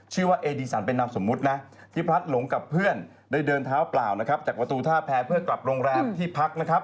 ชื่อว่าเอดีสันเป็นนามสมมุติที่พลัดหลงกับเพื่อนได้เดินเท้าเปล่าจากวัตูท่าแพงเพื่อกลับโรงแรมที่พัก